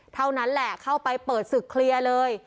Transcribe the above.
เท่านั้นแหละเข้าไปเปิดศึกเคลียร์เลย